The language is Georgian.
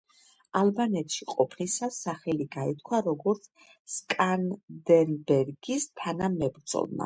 ალბანეთში ყოფნისას სახელი გაითქვა როგორც სკანდერბეგის თანამებრძოლმა.